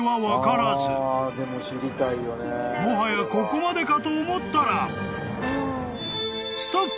［もはやここまでかと思ったら］